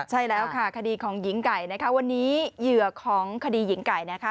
ใช่แล้วค่ะคดีของหญิงไก่นะคะวันนี้เหยื่อของคดีหญิงไก่นะคะ